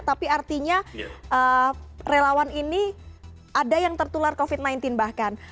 tapi artinya relawan ini ada yang tertular covid sembilan belas bahkan